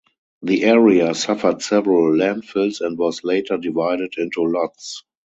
The area suffered several landfills and was later divided into lots.